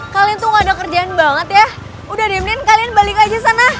kalian tuh gak ada kerjaan banget ya udah diemin kalian balik aja sana